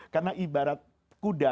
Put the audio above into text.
karena ibarat kuda